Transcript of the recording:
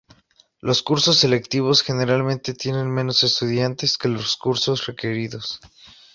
Los cursos electivos generalmente tienen menos estudiantes que los cursos requeridos.